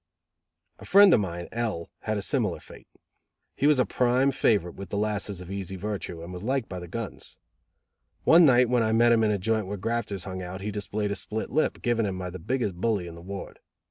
A friend of mine, L , had a similar fate. He was a prime favorite with the lasses of easy virtue, and was liked by the guns. One night when I met him in a joint where grafters hung out, he displayed a split lip, given him by the biggest bully in the ward.